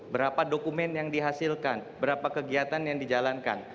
berapa dokumen yang dihasilkan berapa kegiatan yang dijalankan